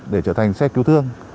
để trở thành xe cứu thương